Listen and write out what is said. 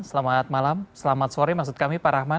selamat malam selamat sore maksud kami pak rahman